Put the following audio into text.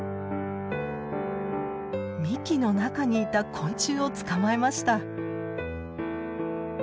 幹の中にいた昆虫を捕まえました。